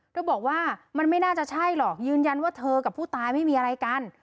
บอกว่ามันไม่น่าจะใช่หรอกยืนยันว่าเธอกับผู้ตายไม่มีอะไรกัน